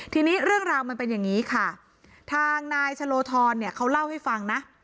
ทีนี้เรื่องราวมันเป็นอย่างนี้ค่ะทางนายชะโลธรเนี่ยเขาเล่าให้ฟังนะ